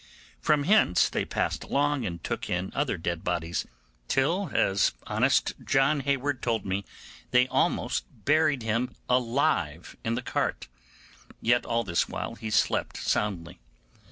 From hence they passed along and took in other dead bodies, till, as honest John Hayward told me, they almost buried him alive in the cart; yet all this while he slept soundly.